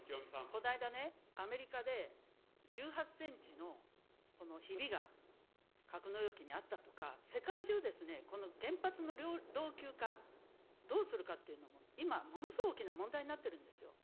この間ね、アメリカで１８センチのひびが格納容器にあったとか、世界中、この原発の老朽化、どうするかっていうの、今ものすごい大きな問題になってるんですよ。